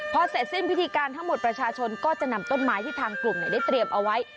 พอเสร็จสิ้นพิธีการทั้งหมดประชาชนก็จะนำต้นไม้ที่ทางกลุ่มได้เตรียมเอาไว้